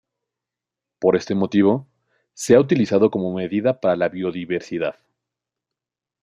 Por este motivo, se ha utilizado como medida para la biodiversidad.